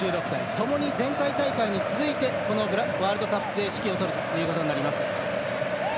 ともに前回大会に続いてワールドカップで指揮を執るということになります。